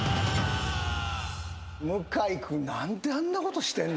向井君何であんなことしてんの？